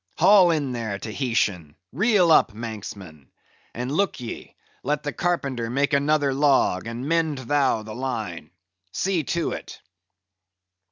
Haul in here, Tahitian; reel up, Manxman. And look ye, let the carpenter make another log, and mend thou the line. See to it."